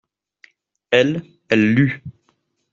Elle, elle lut.